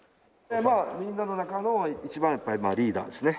まあみんなの中の一番やっぱりリーダーですね。